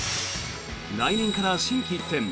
来年から心機一転